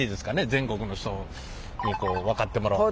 全国の人に分かってもらう。